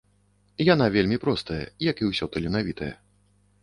Яна вельмі простая, як і ўсё таленавітае.